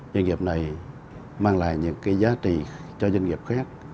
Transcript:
doanh nghiệp này mang lại những cái giá trị cho doanh nghiệp khác